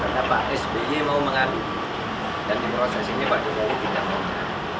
karena pak sby mau mengadu dan di proses ini pak jokowi tidak mau mengadu